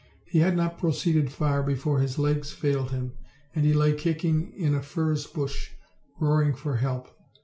He had not proceeded far before his legs failed him, and he lay kicking in a furze bush, roaring for help.